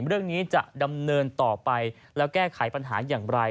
เรื่องนี้จะดำเนินต่อไปแล้วแก้ไขปัญหาอย่างไร